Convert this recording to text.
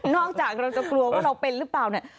จากเราจะกลัวว่าเราเป็นหรือเปล่าเนี่ย